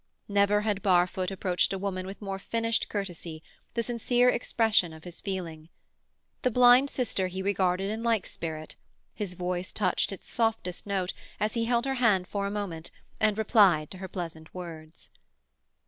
Never had Barfoot approached a woman with more finished courtesy, the sincere expression of his feeling. The blind sister he regarded in like spirit; his voice touched its softest note as he held her hand for a moment and replied to her pleasant words.